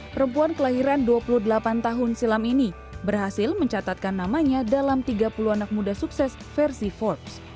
perempuan kelahiran dua puluh delapan tahun silam ini berhasil mencatatkan namanya dalam tiga puluh anak muda sukses versi forbes